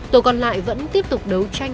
tổ còn lại vẫn tiếp tục đấu tranh